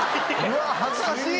うわっ恥ずかしい！